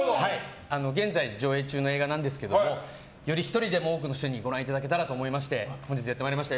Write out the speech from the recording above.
現在上映中の映画なんですけどもより１人でも多くの方にご覧いただけたらと思いまして本日やってまいりました。